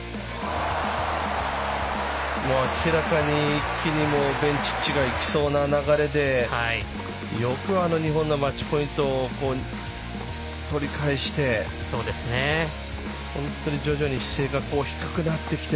明らかにベンチッチが行きそうな流れでよく２本のマッチポイントを取り返して本当に徐々に姿勢が低くなってきて。